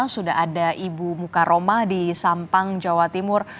sudah ada ibu mukaromah di sampang jawa timur